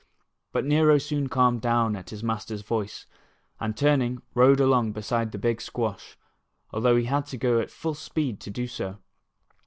But Xero soon calmed down at his master's voice, and turning, rode alon^^; beside the big squash, although he had to go at full speed to do so.